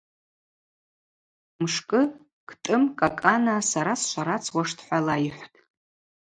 Мшкӏы Кӏтӏым Кӏакӏана – Сара сшварацуаштӏ, – хӏва лайхӏвтӏ.